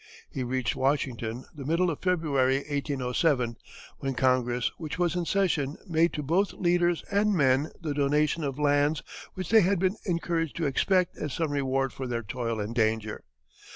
He reached Washington the middle of February, 1807, when Congress, which was in session, made to both leaders and men the donation of lands which they had been encouraged to expect as some reward for their toil and danger.